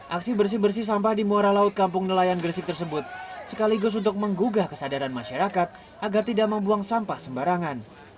aksi bersih bersih sampah di muara laut kampung nelayan gresik tersebut sekaligus untuk menggugah kesadaran masyarakat agar tidak membuang sampah sembarangan